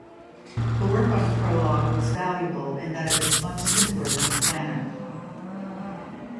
The work on Prolog was valuable in that it was much simpler than Planner.